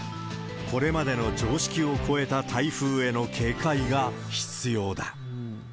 これまでの常識を超えた台風への警戒が必要だ。